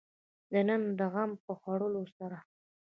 د نن د غم په خوړلو سره.